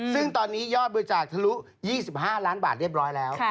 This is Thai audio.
ซึ่งตอนนี้ยอดบริจาคทะลุ๒๕ล้านบาทเรียบร้อยแล้ว